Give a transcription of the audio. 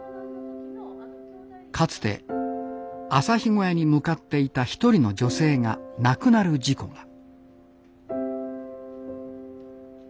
かつて朝日小屋に向かっていた一人の女性が亡くなる事故が。